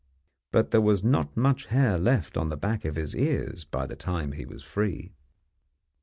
But there was not much hair left on the back of his ears by the time he was free.